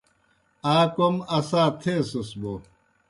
آ کوْم اسا تھیسَس بوْ